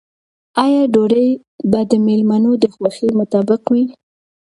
آیا ډوډۍ به د مېلمنو د خوښې مطابق وي؟